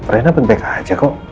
rena penting aja kok